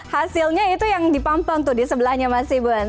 hasilnya itu yang dipampang tuh di sebelahnya mas ibun